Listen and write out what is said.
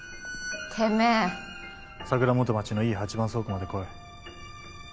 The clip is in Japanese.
桜元町のＥ８番倉庫まで来い。